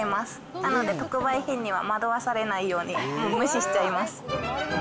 なので、特売品には惑わされないように、無視しちゃいます。